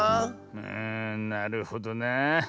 うんなるほどなあ。